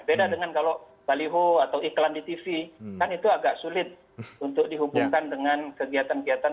beda dengan kalau baliho atau iklan di tv kan itu agak sulit untuk dihubungkan dengan kegiatan kegiatan